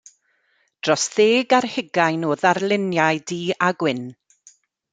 Dros ddeg ar hugain o ddarluniau du-a-gwyn.